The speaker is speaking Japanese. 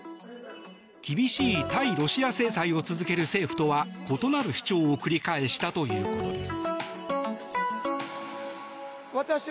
厳しい対ロシア制裁を続ける政府とは異なる主張を繰り返したということです。